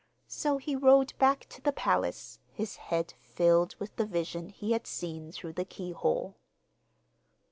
So he rode back to the palace, his head filled with the vision he had seen through the keyhole.